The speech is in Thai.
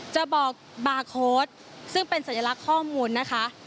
จะบอกบาร์โค้ดซึ่งเป็นสัญลักษณ์ข้อมูลนะคะ